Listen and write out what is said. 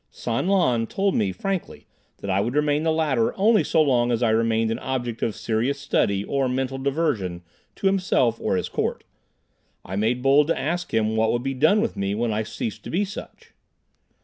San Lan told me frankly that I would remain the latter only so long as I remained an object of serious study or mental diversion to himself or his court. I made bold to ask him what would be done with me when I ceased to be such.